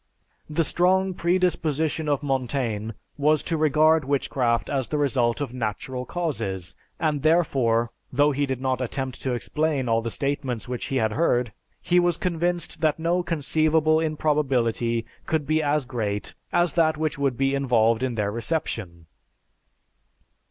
The strong predisposition of Montaigne was to regard witchcraft as the result of natural causes, and therefore, though he did not attempt to explain all the statements which he had heard, he was convinced that no conceivable improbability could be as great as that which would be involved in their reception."